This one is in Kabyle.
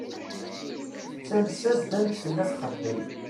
Tattales-as-d amek tella txeddem.